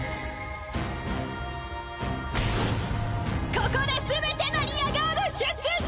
ここですべてのリアガード出陣！